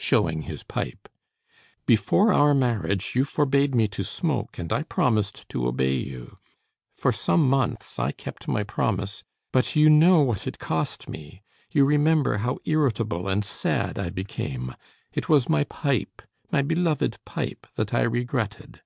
(Showing his pipe.) "Before our marriage, you forbade me to smoke, and I promised to obey you. For some months I kept my promise; but you know what it cost me; you remember how irritable and sad I became. It was my pipe, my beloved pipe, that I regretted.